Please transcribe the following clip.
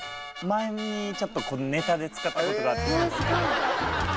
「前にちょっとネタで使った事があって」